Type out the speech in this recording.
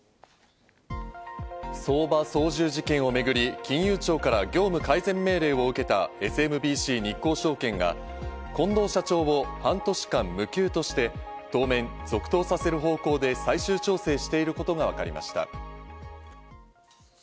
相場操縦事件をめぐり、金融庁から業務改善命令を受けたＳＭＢＣ日興証券が近藤社長を半年間無給として当面続投させる方向で最終調整していることがわかりました。